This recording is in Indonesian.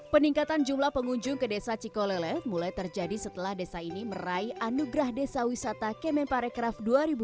peningkatan jumlah pengunjung ke desa cikolele mulai terjadi setelah desa ini meraih anugerah desa wisata kemenparekraf dua ribu dua puluh